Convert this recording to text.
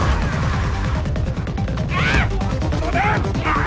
あっ！